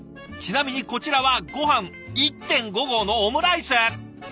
ちなみにこちらはごはん１．５合のオムライス。